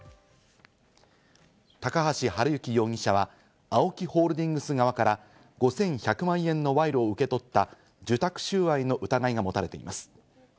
高橋治之容疑者はＡＯＫＩホールディングス側から５１００万円の賄賂を受け取った受託収賄の疑いが持たれています。